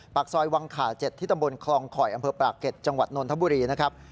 ปากซอยวังขา๗ที่ตำบลคลองข่อยอำเภอปรากเก็ตจังหวัดนนทบุรีนะครับ